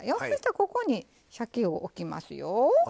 そしたらここにしゃけを置きますよ。